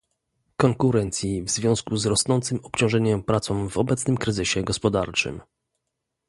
Konkurencji w związku z rosnącym obciążeniem pracą w obecnym kryzysie gospodarczym